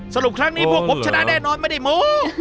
สรุปครั้งนี้พวกผมชนะแน่นอนไม่ได้โม้